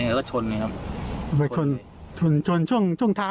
อีกคนก็ชนเหมือนกันครับคนที่เสียไป